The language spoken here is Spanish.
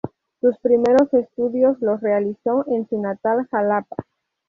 Sus primeros estudios los realizó en su natal Jalapa.